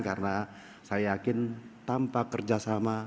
karena saya yakin tanpa kerjasama